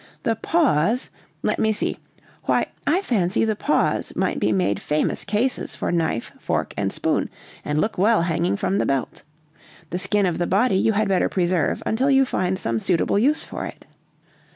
The paws let me see why, I fancy the paws might be made famous cases for knife, fork and spoon, and look well hanging from the belt. The skin of the body you had better preserve until you find some suitable use for it."